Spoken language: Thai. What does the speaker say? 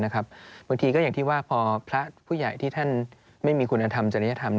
บางทีก็อย่างที่ว่าพอพระผู้ใหญ่ที่ท่านไม่มีคุณธรรมจริยธรรม